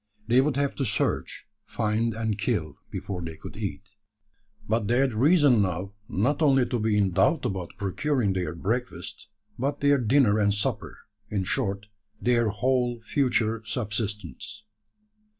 They would have to search, find, and kill, before they could eat. But they had reason now not only to be in doubt about procuring their breakfast, but their dinner and supper in short, their whole future subsistence.